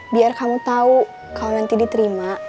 biar kamu tahu kalau nanti diterima